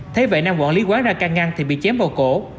thế vậy nam quản lý quán ra ca ngăn thì bị chém vào cổ